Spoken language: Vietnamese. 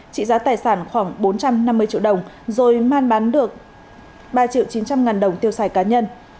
trị giá tài sản khoảng bốn trăm năm mươi triệu đồng rồi man bán được ba triệu chín trăm linh ngàn đồng tiêu xài cá nhân